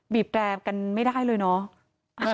บีบแปรกันไม่ได้เลยเนอะ